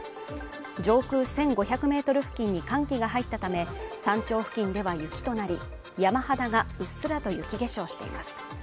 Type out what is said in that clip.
上空１５００メートル付近に寒気が入ったため山頂付近では雪となり山肌がうっすらと雪化粧しています